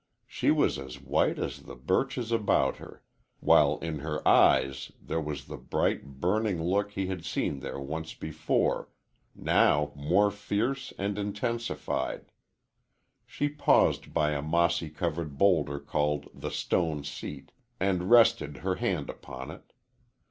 She was as white as the birches about her, while in her eyes there was the bright, burning look he had seen there once before, now more fierce and intensified. She paused by a mossy covered bowlder called the "stone seat," and rested her hand upon it.